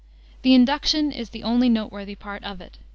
The Induction is the only noteworthy part of it.